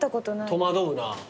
戸惑うなぁ。